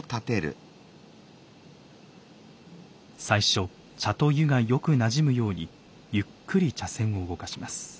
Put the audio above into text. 最初茶と湯がよくなじむようにゆっくり茶筅を動かします。